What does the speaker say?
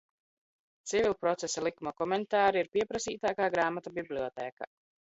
Civilprocesa likuma koment?ri ir piepras?t?k? gr?mata bibliot?k?.